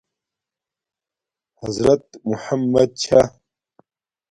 حضرت محمدؐ چھݳ.